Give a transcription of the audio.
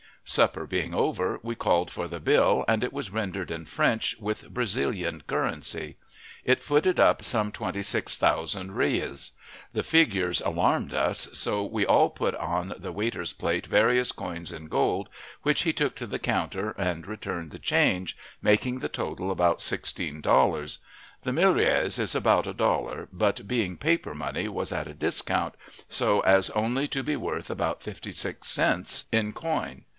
Supper being over, we called for the bill, and it was rendered in French, with Brazilian currency. It footed up some twenty six thousand reis. The figures alarmed us, so we all put on the waiters' plate various coins in gold, which he took to the counter and returned the change, making the total about sixteen dollars. The millreis is about a dollar, but being a paper money was at a discount, so as only to be worth about fifty six cents in coin.